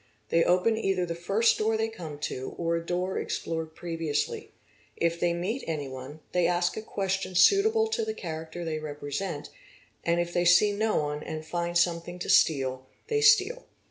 They open either the — first door they come to or a door explored previously; if they meet — anyone, they ask a question suitable to the character they represent, and 3 if they see no one, and find something to steal, they steal.